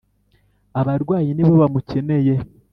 Abarwayi ni bo bamukeneye.